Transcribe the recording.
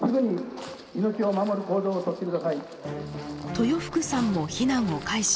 豊福さんも避難を開始。